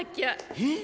えっ。